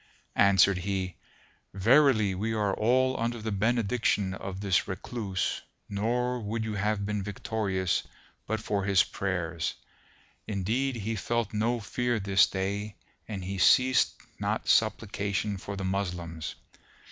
Answered he, "Verily we are all under the benediction of this Recluse nor would you have been victorious but for his prayers, indeed he felt no fear this day and he ceased not supplication for the Moslems.